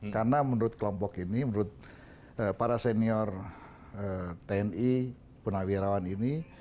karena menurut kelompok ini menurut para senior tni punawirawan ini